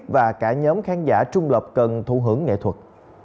và cả nhóm khán giả trung lập cần thu hưởng nghệ thuật